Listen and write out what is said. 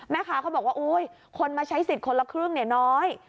แม่ค้าเขาบอกว่าคนมาใช้สิทธิ์คนละครึ่งเนี่ยน้อย